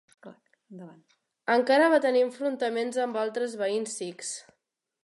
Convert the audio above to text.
Encara va tenir enfrontaments amb altres veïns sikhs.